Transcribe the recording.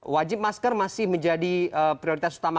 wajib masker masih menjadi prioritas utama